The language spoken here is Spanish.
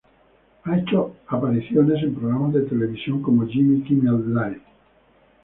Ha hecho apariciones en programas de televisión como "Jimmy Kimmel Live!